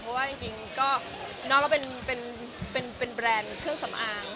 บางทีเราเป็นแบรนด์เสื้อสำอาง